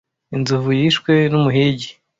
Inzovu yishwe n'umuhigi.